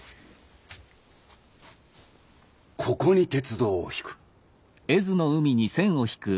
ここに鉄道をひく。